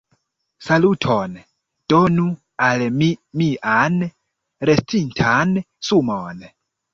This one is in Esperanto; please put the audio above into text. Saluton, donu al mi mian restintan sumon